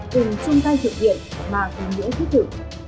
cùng chung tay thực hiện và cùng nhũa thích thử